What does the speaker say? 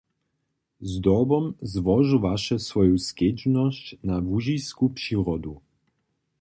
Zdobom złožowaše swoju kedźbnosć na łužisku přirodu.